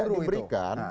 jika tidak diberikan